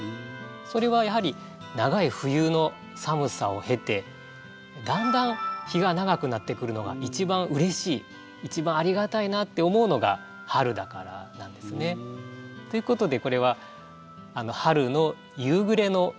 それはやはり長い冬の寒さを経てだんだん日が長くなってくるのが一番うれしい一番ありがたいなって思うのが春だからなんですね。っていうことでこれは春の夕暮れの情景。